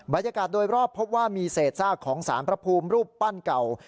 บรรยากาศโดยรอบพบว่ามีเศษซากของสารพระภูมิรูปปั้นเก่า